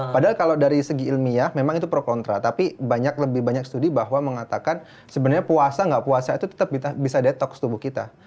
padahal kalau dari segi ilmiah memang itu pro kontra tapi lebih banyak studi bahwa mengatakan sebenarnya puasa gak puasa itu tetap bisa detox tubuh kita